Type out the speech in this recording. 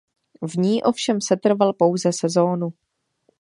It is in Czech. V ní ovšem setrval pouze sezónu.